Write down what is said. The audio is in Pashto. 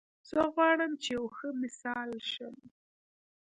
زه غواړم چې یو ښه مثال شم